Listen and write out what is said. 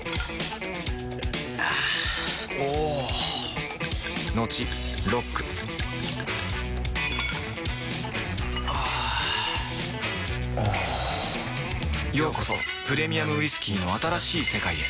あぁおぉトクトクあぁおぉようこそプレミアムウイスキーの新しい世界へ